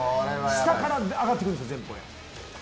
下から上がってくるんです。